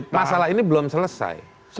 masalah ini belum selesai